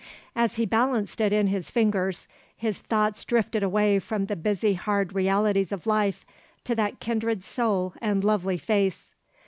As he balanced it in his fingers, his thoughts drifted away from the busy hard realities of life to that kindred soul and lovely face.